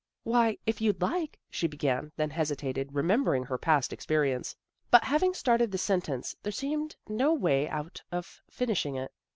" Why, if you'd like," she began, then hesitated, remembering her past experience. But having started the sentence there seemed no way out of finishing it.